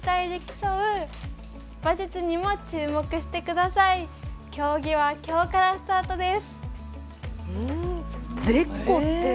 競技はきょうからスタートです。